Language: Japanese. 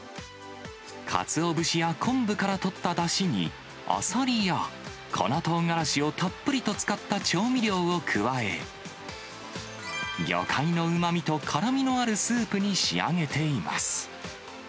かつお節や昆布からとっただしにあさりや粉とうがらしをたっぷりと使った調味料を加え、魚介のうまみと辛みのあるスープに仕上げています。